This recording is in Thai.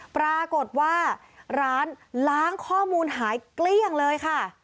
ปรากฏว่าร้านล้างข้อมูลหายเกลี้ยงเลยค่ะ